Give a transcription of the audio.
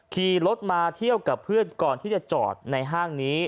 ขี่รถมาเที่ยวกับเพื่อนก่อนที่จะจอดในห้างนี้